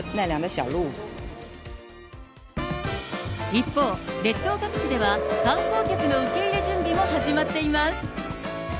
一方、列島各地では、観光客の受け入れ準備も始まっています。